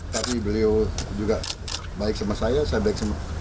tapi beliau juga baik sama saya saya baik sama